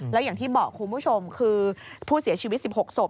แล้วอย่างที่บอกคุณผู้ชมคือผู้เสียชีวิต๑๖ศพ